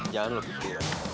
jalan lo putri